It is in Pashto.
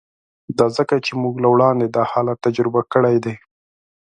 دا ځکه چې موږ له وړاندې دا حالت تجربه کړی دی